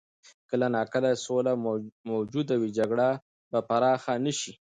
کله نا کله چې سوله موجوده وي، جګړه به پراخه نه شي.